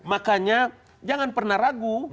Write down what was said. makanya jangan pernah ragu